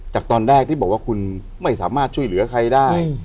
จากตอนแรกที่บอกว่าคุณไม่สามารถช่วยเหลือใครได้